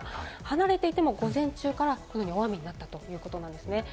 離れていても午前中からこんなふうに大雨になったということなんですね。